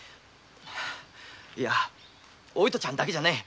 いやお糸ちゃんだけじゃねぇ。